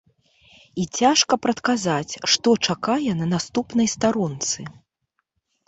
І цяжка прадказаць, што чакае на наступнай старонцы.